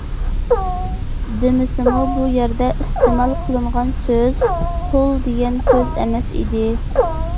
دېمىسىمۇ، بۇ يەردە ئىستېمال قىلىنغان سۆز،« قۇل» دېگەن سۆز ئەمەس ئىدى.